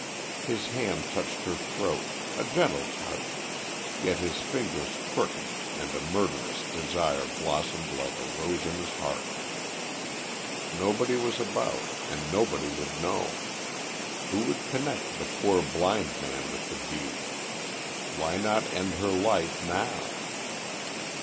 His hand touched her throat a gentle touch yet his fingers crooked and a murderous desire blossomed like a rose in his heart. Nobody was about and nobody would know. Who could connect the poor blind man with the deed? Why not end her life now?